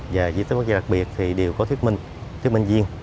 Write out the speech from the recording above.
và di tích quốc gia đặc biệt thì đều có thuyết minh thuyết minh viên